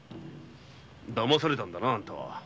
だまされたんだなあんたは。